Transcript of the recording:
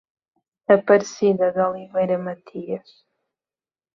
Aparecida de Oliveira Matias